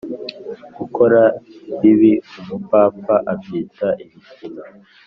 gukora ibibi umupfapfa abyita ibikino,